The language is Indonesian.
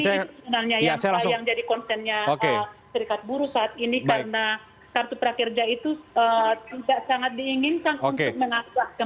jadi sebenarnya yang jadi konsennya serikat buruh saat ini karena kartu prakerja itu tidak sangat diinginkan untuk mengasah kemampuan